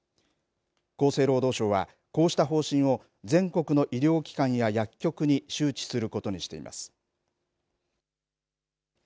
厚生労働省は、こうした方針を全国の医療機関や薬局に周知することにしています。